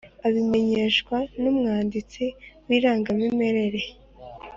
abimenyeshwa n umwanditsi w irangamimerere